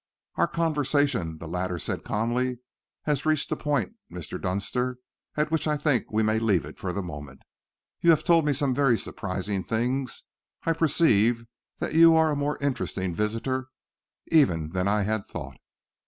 "Our conversation," the latter said calmly, "has reached a point, Mr. Dunster, at which I think we may leave it for the moment. You have told me some very surprising things. I perceive that you are a more interesting visitor even than I had thought."